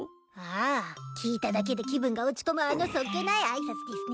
ああ聞いただけで気分が落ち込むあの素っ気ない挨拶でぃすね。